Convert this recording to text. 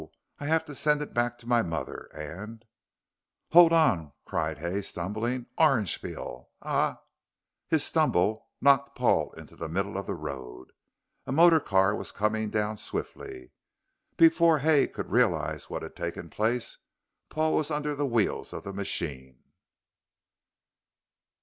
I have to send it back to my mother, and " "Hold on!" cried Hay, stumbling. "Orange peel ah " His stumble knocked Paul into the middle of the road. A motor car was coming down swiftly. Before Hay could realize what had taken place Paul was under the wheels of the machine.